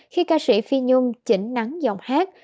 khi ca sĩ phi nhung chỉnh nắng giọng hát